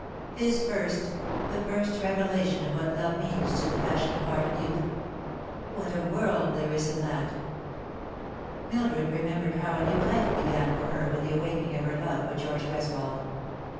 His first the first revelation of what love means to the pas sionate heart of youth. What a world there is in that ! Mildred The Beginning of Doubt. 101 remembered horv a new life began for her with the awakening of her love for George G reswold.